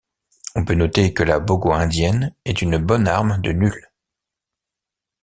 On peut noter que la Bogo-Indienne est une bonne arme de nulle.